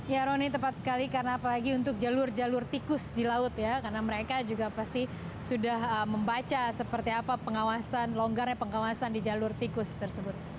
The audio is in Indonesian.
ya roni tepat sekali karena apalagi untuk jalur jalur tikus di laut ya karena mereka juga pasti sudah membaca seperti apa pengawasan longgarnya pengawasan di jalur tikus tersebut